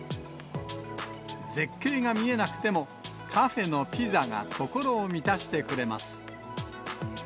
絶景が見えなくても、カフェのピザが心を満たしてくれます。